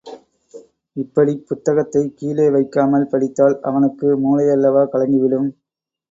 இப்படிப் புத்தகத்தைக் கீழே வைக்காமல் படித்தால் அவனுக்கு மூளையல்லவா கலங்கி விடும்.